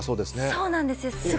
そうなんです。